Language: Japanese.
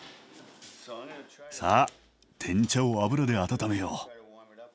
さあてん茶を油で温めよう。